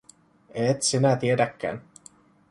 Et sinä tiedäkään.